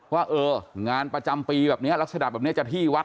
ว่าเอองานประจำปีแบบนี้ลักษณะแบบนี้จะที่วัด